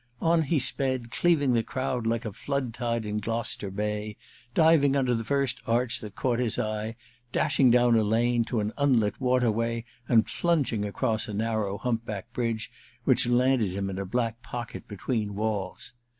On he sped, cleaving the crowd like a flood tide in Gloucester bay, diving under the first arch that caught his eye, dashing down a lane to an unlit water way, and plunging across a narrow hump back bridge which landed him in a black pocket between walls.